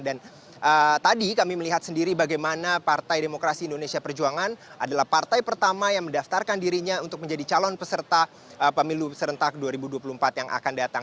dan tadi kami melihat sendiri bagaimana partai demokrasi indonesia perjuangan adalah partai pertama yang mendaftarkan dirinya untuk menjadi calon peserta pemilu serentak dua ribu dua puluh empat yang akan datang